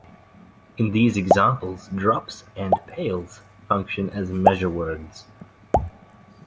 In these examples, "drops" and "pails" function as measure words.